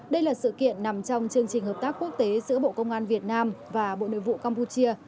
đây là sự kiện nằm trong chương trình hợp tác quốc tế giữa bộ công an việt nam và bộ nội vụ campuchia